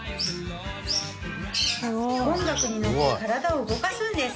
音楽にのって体を動かすんです。